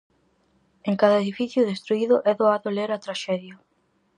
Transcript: En cada edificio destruído é doado ler a traxedia.